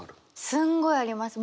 すんごいあります。